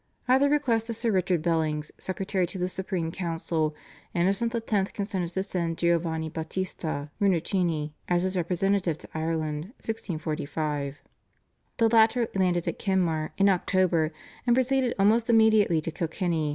At the request of Sir Richard Bellings, Secretary to the Supreme Council, Innocent X. consented to send Giovanni Battista Rinuccini as his representative to Ireland (1645). The latter landed at Kenmare in October, and proceeded almost immediately to Kilkenny.